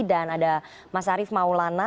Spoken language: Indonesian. dan ada mas arief maulana